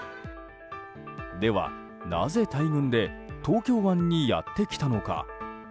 では、なぜ大群で東京湾にやって来たのか。